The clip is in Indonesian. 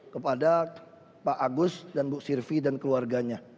kepada pak agus dan bu sirvi dan keluarganya